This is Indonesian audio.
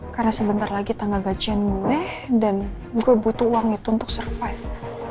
karena sebentar lagi tangga gajian gue dan gua butuh uang itu untuk survive